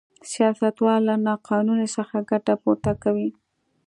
سیاستوال له نا قانونۍ څخه ګټه پورته کوي.